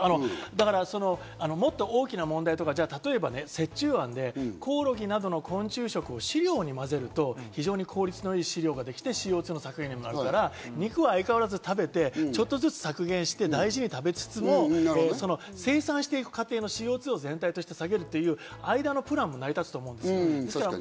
大きな問題、折衷案とかで、コオロギなどの昆虫食に飼料をまぜると効率の良い飼料ができて、ＣＯ２削減になるから肉は相変わらず食べてちょっとずつ削減して大事に食べつつも、生産していく過程のＣＯ２を全体として下げるという間のプランも成り立つと思うんです。